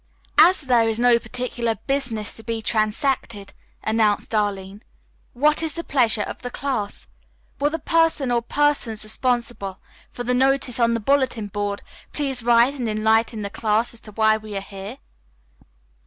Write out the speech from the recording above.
"As there is no particular business to be transacted," announced Arline, "what is the pleasure of the class? Will the person or persons responsible for the notice on the bulletin board please rise and enlighten the class as to why we are here?"